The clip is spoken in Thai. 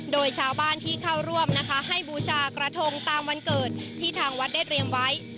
โดยชาวบ้านที่เข้าร่วมนะคะให้บูชากระทงตามวันเกิดที่ทางวัดได้เรียมไว้